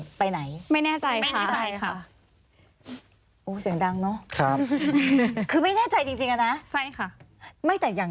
ไม่แน่ใจค่ะ